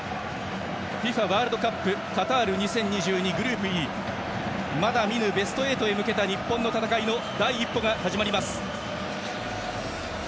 ワールドカップカタール２０２２、グループＥまだ見ぬベスト８へ向けた日本の戦いの第一歩が始まります。